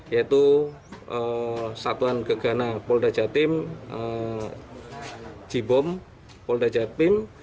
yaitu satuan gegana polda jatim jibom polda jatim